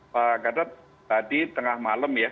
pak gadot tadi tengah malam ya